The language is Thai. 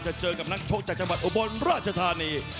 จะเจอกับนักชกจังหวัดจังหวัดอุบันราชธานี